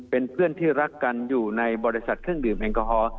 เป็นเพื่อนที่รักกันอยู่ในบริษัทเครื่องดื่มแอลกอฮอล์